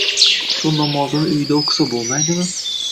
— Shu namozini uyida o‘qisa bo‘lmaydimi?